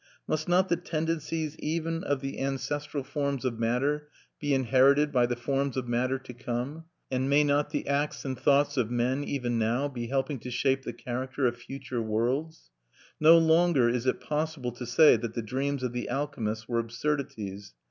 Must not the tendencies even of the ancestral forms of matter be inherited by the forms of matter to come; and may not the acts and thoughts of men even now be helping to shape the character of future worlds? No longer is it possible to say that the dreams of the Alchemists were absurdities.